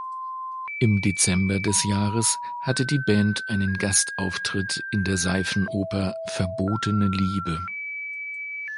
Im Dezember des Jahres hatte die Band einen Gastauftritt in der Seifenoper "Verbotene Liebe".